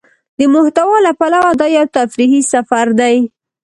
د محتوا له پلوه دا يو تفريحي سفر دى.